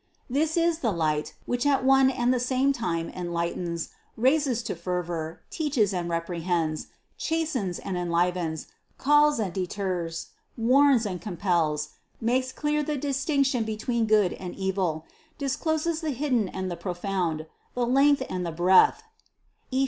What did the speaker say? This is the light, which at one and at the same time enlightens, raises to fervor, teaches and reprehends, chastens and enlivens, calls and deters, warns and com pels, makes clear the distinction between good and evil, discloses the hidden and the profound, the length and the breadth (Eph.